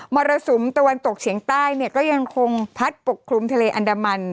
รสุมตะวันตกเฉียงใต้เนี่ยก็ยังคงพัดปกคลุมทะเลอันดามัน